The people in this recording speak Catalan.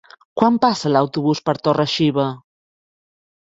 Quan passa l'autobús per Torre-xiva?